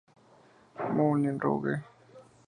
Moulin Rouge!